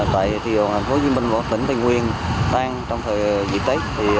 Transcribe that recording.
tại thị trường hàng phố duyên binh của tỉnh tây nguyên đang trong thời dịp tết